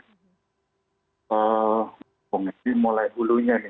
jadi mulai ulunya ini